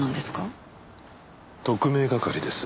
特命係です。